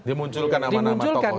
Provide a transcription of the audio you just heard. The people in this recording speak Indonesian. dimunculkan nama nama tokoh itu ya